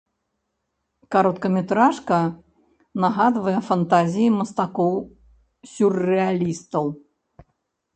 Кароткаметражка нагадвае фантазіі мастакоў-сюррэалістаў.